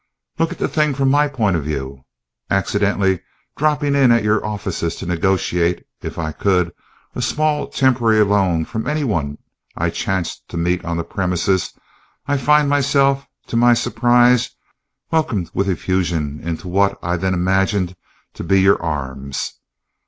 Look at the thing from my point of view. Accidentally dropping in at your offices to negotiate (if I could) a small temporary loan from anyone I chanced to meet on the premises, I find myself, to my surprise, welcomed with effusion into what I then imagined to be your arms.